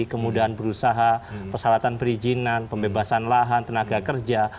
kemudian berusaha persalatan perizinan pembebasan lahan tenaga kerja